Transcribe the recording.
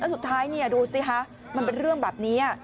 สุดท้ายดูสิคะมันเป็นเรื่องแบบนี้